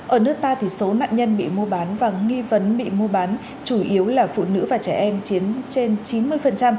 ở nước ta thì số nạn nhân bị mua bán và nghi vấn bị mua bán chủ yếu là phụ nữ và trẻ em chiếm trên chín mươi